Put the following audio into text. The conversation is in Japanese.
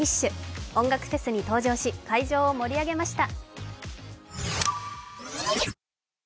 音楽フェスに登場し、会場を盛り上げました。